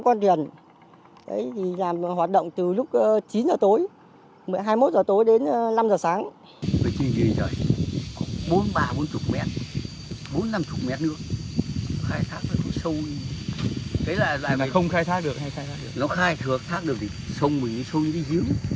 năm con tuyển làm hoạt động từ lúc chín giờ tối hai mươi một giờ tối đến năm giờ sáng